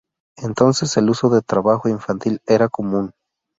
Entonces el uso de trabajo infantil era común.